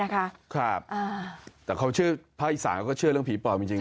แต่พระอินสาห์ก็เชื่อเรื่องผีปอบจริง